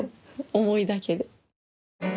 重いだけで。